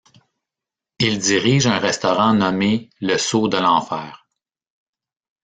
Il dirige un restaurant nommé le Seau de l'enfer.